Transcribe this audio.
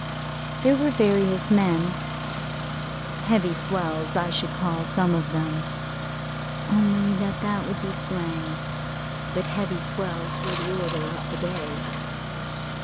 There were various men heavy swells I should call some of them, only that that would be slang; but heavy swells were the order of the day.